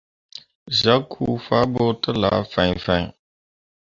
Zyak huu fah ɓo telah fãhnfãhn.